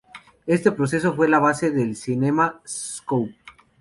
Este proceso fue la base del CinemaScope.